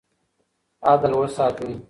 عدل وساتئ.